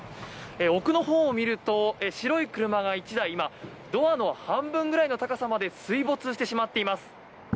奥のほうを見ると、白い車が１台ドアの半分くらいの高さまで水没してしまっています。